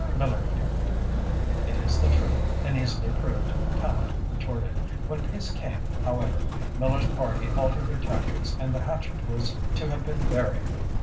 Miller fumed. "It is the truth and easily proved," Tallente retorted. "When peace came, however, Miller's party altered their tactics and the hatchet was to have been buried.